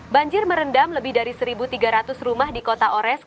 banjir merendam lebih dari satu tiga ratus rumah di kota ores